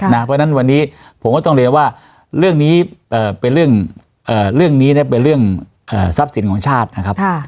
เพราะฉะนั้นวันนี้ผมก็ต้องเรียนว่าเรื่องนี้เป็นเรื่องนี้เป็นเรื่องทรัพย์สินของชาตินะครับ